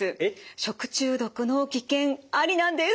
食中毒の危険ありなんです。